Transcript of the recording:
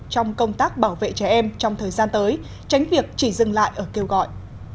trong công tác bảo vệ trẻ em trong thời gian tới tránh việc chỉ dừng lại ở kêu gọi